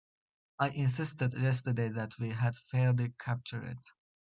I insisted yesterday that we had fairly captured it.